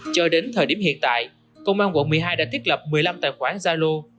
cho đến thời điểm hiện tại công an quận một mươi hai đã thiết lập một mươi năm tài khoản gia lô